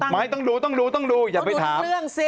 ไม่ต้องดูอย่าไปถามต้องดูทั้งเรื่องสิ